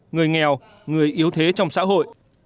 người nghèo người yếu thế trong xã hội